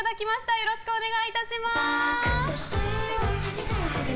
よろしくお願いします！